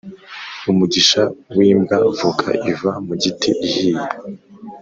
Umugisha w’imbwa voka iva mugiti ihiye